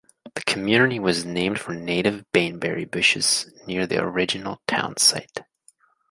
The community was named for native baneberry bushes near the original town site.